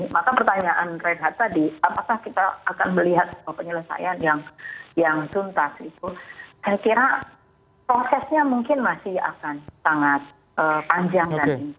maka pertanyaan reinhard tadi apakah kita akan melihat penyelesaian yang tuntas itu saya kira prosesnya mungkin masih akan sangat panjang nanti